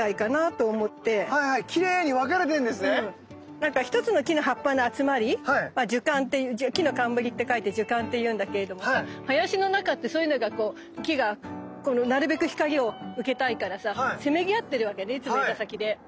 なんか一つの木の葉っぱの集まりは樹冠って樹の冠って書いて樹冠って言うんだけれどもさ林の中ってそういうのがこう木がなるべく光を受けたいからさせめぎ合ってるわけねいつも枝先で。